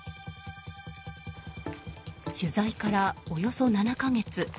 取材から、およそ７か月。